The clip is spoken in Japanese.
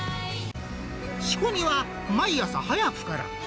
仕込みは毎朝早くから。